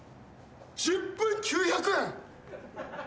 １０分９００円！？